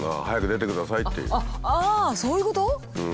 ああそういうこと？